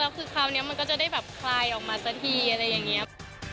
แล้วคือคราวนี้มันก็จะได้แบบคลายออกมาสักทีอะไรอย่างนี้